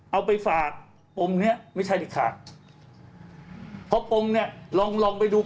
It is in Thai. เอาไปฝากปมเนี้ยไม่ใช่เด็ดขาดเพราะปมเนี้ยลองลองไปดู